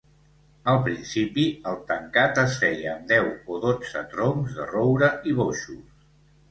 Al principi el tancat es feia amb deu o dotze troncs de roure i boixos.